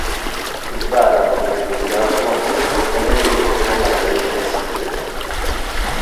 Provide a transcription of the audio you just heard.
Impara con entusiasmo e sostenendo il proprio amore per il sapere.